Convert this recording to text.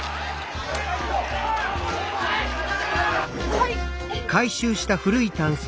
はい！